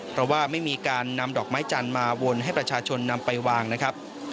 เพราะว่าไม่มีการนำดอกไม้จันทร์มาวนให้ประชาชนนำไปวางนะครับ